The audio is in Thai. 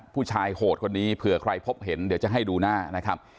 โหดคนนี้เผื่อใครพบเห็นเดี๋ยวจะให้ดูหน้านะครับ